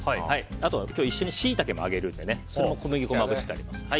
あと、今日は一緒にシイタケも揚げるので小麦粉をまぶしてあります。